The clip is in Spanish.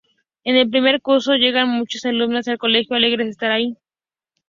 En el primer curso llegan muchas alumnas al colegio, alegres de estar allí.